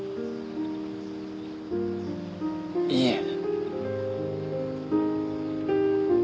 いいえ。